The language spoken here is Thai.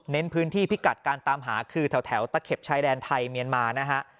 พื้นที่พิกัดการตามหาคือแถวตะเข็บชายแดนไทยเมียนมานะฮะ